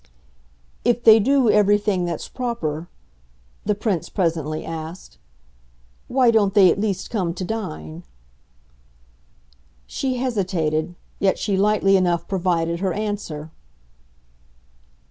"If they do everything that's proper," the Prince presently asked, "why don't they at least come to dine?" She hesitated, yet she lightly enough provided her answer.